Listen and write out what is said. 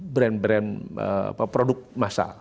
brand brand produk masal